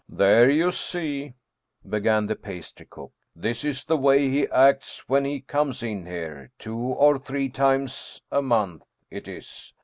" There, you see," began the pastry cook. " This is the way he acts when he comes in here, two or three times a month, it is.